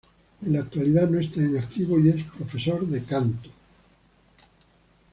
En la actualidad no está en activo y es profesor de canto.